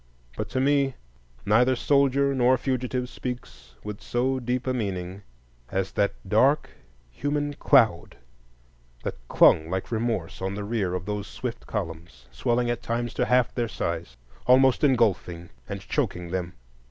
But to me neither soldier nor fugitive speaks with so deep a meaning as that dark human cloud that clung like remorse on the rear of those swift columns, swelling at times to half their size, almost engulfing and choking them.